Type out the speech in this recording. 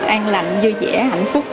an lạnh vui vẻ hạnh phúc